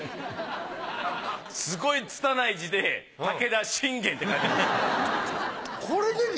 すごいつたない字で「武田信玄」って書いてます。